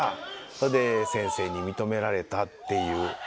それで先生に認められたっていう。